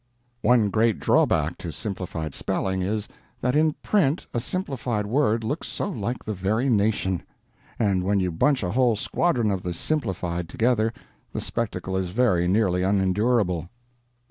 One great drawback to Simplified Spelling is, that in print a simplified word looks so like the very nation! and when you bunch a whole squadron of the Simplified together the spectacle is very nearly unendurable.